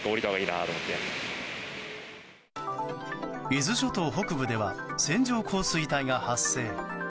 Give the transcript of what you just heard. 伊豆諸島北部では線状降水帯が発生。